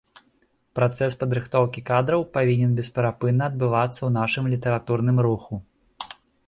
Працэс падрыхтоўкі кадраў павінен бесперапынна адбывацца ў нашым літаратурным руху.